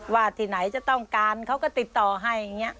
ที่ไหนจะต้องการเขาก็ติดต่อให้อย่างนี้